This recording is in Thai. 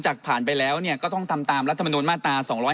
จากผ่านไปแล้วเนี่ยก็ต้องตามตามรัฐมนุนมาตราสองร้อย